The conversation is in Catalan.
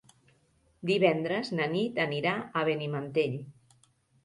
Divendres na Nit anirà a Benimantell.